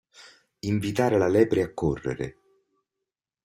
Invitare la lepre a correre.